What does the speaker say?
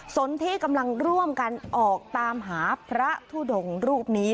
สนที่กำลังร่วมกันออกตามหาพระทุดงรูปนี้